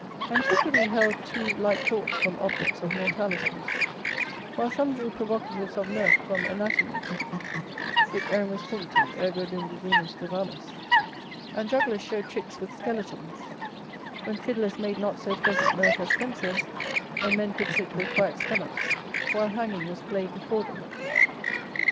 Antiquity held too light thoughts from objects of mortality, while some drew provocatives of mirth from anatomies,[AY] and jugglers showed tricks with skeletons. When fiddlers made not so pleasant mirth as fencers, and men could sit with quiet stomachs, while hanging was played before them.